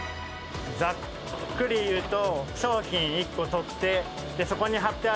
ざっくり言うと。